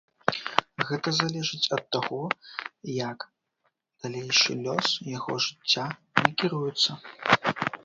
Гэта залежыць ад таго, як далейшы лёс яго жыцця накіруецца.